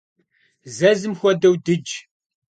Зэзым хуэдэу дыдж.